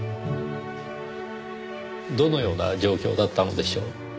どのような状況だったのでしょう？